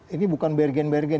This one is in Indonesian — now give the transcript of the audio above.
ini bukan bergen bergen